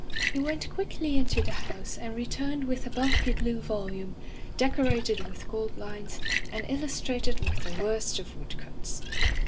He went quickly into the house and re turned with a bulky blue volume, decorated with gold lines and illustrated with the worst of wood cuts.